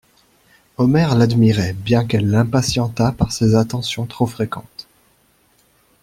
Omer l'admirait bien qu'elle l'impatientât par ses attentions trop fréquentes.